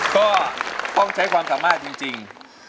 ก็ต้องใช้ความสามารถจริง